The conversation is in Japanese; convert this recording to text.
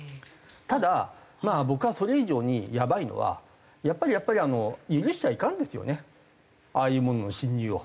ただ僕はそれ以上にやばいのはやっぱり許しちゃいかんですよねああいうものの侵入を。